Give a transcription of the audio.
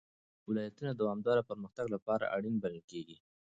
ولایتونه د دوامداره پرمختګ لپاره اړین بلل کېږي.